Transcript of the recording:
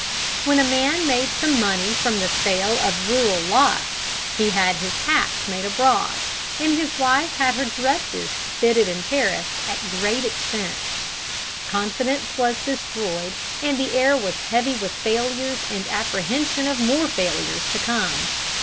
When a man made some money from the sale of rural lots he had his hats made abroad, and his wife had her dresses fitted in Paris at great expense. Confidence was destroyed, and the air was heavy with failures and apprehension of more failures to come.